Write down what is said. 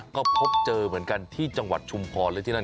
ก็พบเจอเหมือนกันที่จังหวัดชุมพรเลยที่นั่น